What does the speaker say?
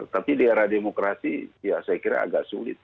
tapi di era demokrasi ya saya kira agak sulit